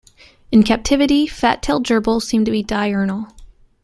In captivity fat-tailed gerbils seem to be diurnal.